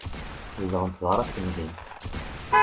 Zedɣent beṛṛa n temdint.